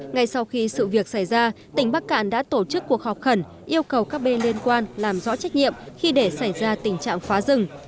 ngay sau khi sự việc xảy ra tỉnh bắc cạn đã tổ chức cuộc họp khẩn yêu cầu các bên liên quan làm rõ trách nhiệm khi để xảy ra tình trạng phá rừng